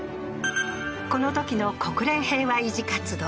このときの国連平和維持活動